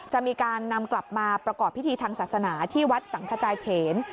จะมีการนำกลับมาประกอบพิธีทางศาสนาที่วัดสังขจายเขน